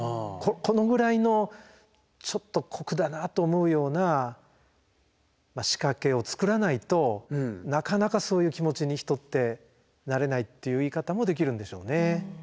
このぐらいのちょっと酷だなあと思うような仕掛けを作らないとなかなかそういう気持ちに人ってなれないっていう言い方もできるんでしょうね。